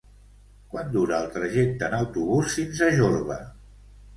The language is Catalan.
Quant dura el trajecte en autobús fins a Jorba?